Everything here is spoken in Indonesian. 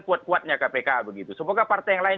kuat kuatnya kpk begitu semoga partai yang lain